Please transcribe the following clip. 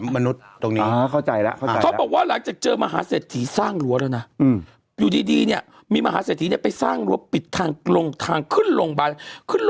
เมื่อวันที่๒๗ตอนคืน